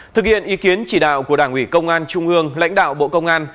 thực hiện ý kiến chỉ đạo của đảng ủy công an trung ương lãnh đạo bộ công an